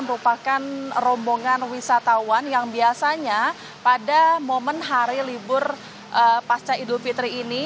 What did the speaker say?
merupakan rombongan wisatawan yang biasanya pada momen hari libur pasca idul fitri ini